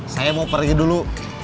saya mau pergi dulu